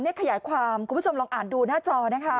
นี่ขยายความคุณผู้ชมลองอ่านดูหน้าจอนะคะ